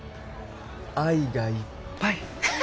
愛がいっぱい